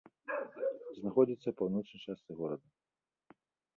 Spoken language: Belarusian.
Знаходзіцца ў паўночнай частцы горада.